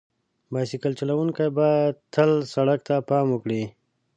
بایسکل چلونکي باید تل سړک ته پام وکړي.